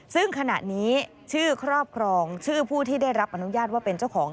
ซึ่งขณะนี้ชื่อครอบครองชื่อผู้ที่ได้รับอนุญาตว่าเป็นเจ้าของ